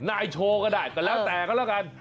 นายโชว์ก็ได้ก็แล้วแต่ก็แล้วกัน